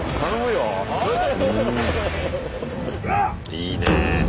いいねえ。